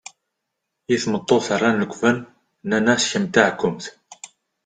I tmeṭṭut rran lekben, nnan-as kemm d taɛkumt.